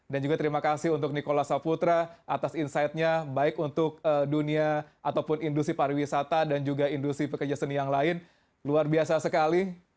dan juga terima kasih untuk nicola saputra atas insight nya baik untuk dunia ataupun industri pariwisata dan juga industri pekerja seni yang lain luar biasa sekali